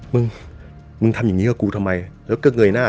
มึงมึงทำอย่างนี้กับกูทำไมแล้วก็เงยหน้า